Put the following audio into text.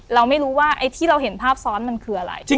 เราไม่รู้ว่าไอ้ที่เราเห็นภาพซ้อนมันคืออะไร